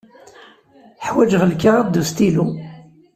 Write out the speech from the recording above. Ḥwaǧeɣ lkaɣeḍ d ustilu.